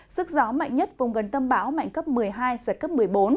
sức gió mạnh nhất vùng gần tâm bão mạnh cấp một mươi hai giật cấp một mươi bốn